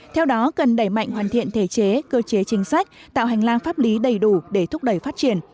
theo đó cần đẩy mạnh hoàn thiện thể chế cơ chế chính sách tạo hành lang pháp lý đầy đủ để thúc đẩy phát triển